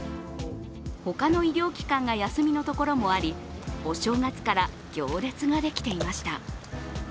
他の医療機関が休みのところもありお正月から行列ができていました。